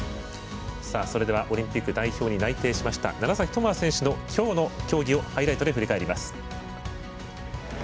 それではオリンピック代表に内定しました楢崎智亜選手の今日の競技をハイライトで振り返ります。